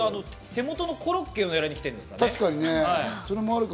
手元のコロッケを狙いに来てるんですかね。